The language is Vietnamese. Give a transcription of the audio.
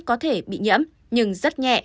có thể bị nhiễm nhưng rất nhẹ